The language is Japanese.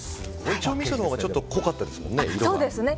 八丁みそのほうがちょっと濃かったですもんね。